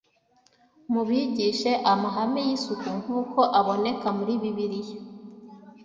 Mubigishe amahame y’isuku nk’uko aboneka muri Bibiliya.